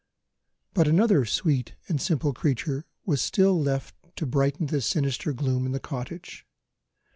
But another sweet and simple creature was still left to brighten the sinister gloom in the cottage.